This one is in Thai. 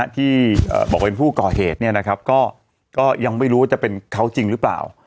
ที่บอกเป็นผู้ก่อเหตุก็ยังไม่รู้ว่าจะเป็นเขาจริงหรือเปล่า